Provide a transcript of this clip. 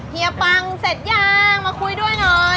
เฮียปังเสร็จยังมาคุยด้วยหน่อย